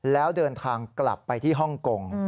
แล้วเดินทางกลับไปที่ฮ่องกง